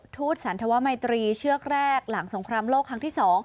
ทูตสันธวมัยตรีเชือกแรกหลังสงครามโลกครั้งที่๒